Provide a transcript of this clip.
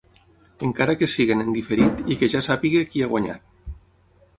Encara que siguin en diferit i que ja sàpiga qui ha guanyat.